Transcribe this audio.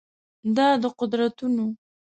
دا د قدرتونو